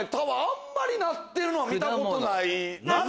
あまりなってるの見たことない。